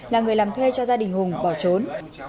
là người làm thuê cho gia đình hùng bỏ trốn